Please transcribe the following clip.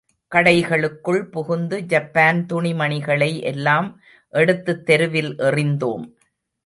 கடைகளுக்குள் புகுந்து ஜப்பான் துணி மணிகளை எல்லாம் எடுத்துத் தெருவில் எறிந்தோம்.